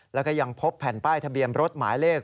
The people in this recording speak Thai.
แล้วก็ยังพบแผ่นป้ายทะเบียนรถหมายเลข